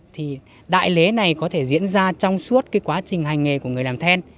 thì đại lễ này có thể diễn ra trong suốt cái quá trình hành nghề của người làm then